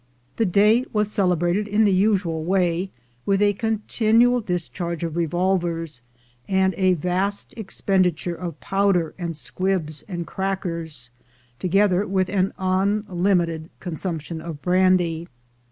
The day was celebrated in the usual way, with a con tinual discharge of revolvers, and a vast expenditure of powder and squibs and crackers, together with an unlimited consumption of brandy.